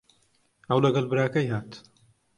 ئەو لەگەڵ براکەی هات.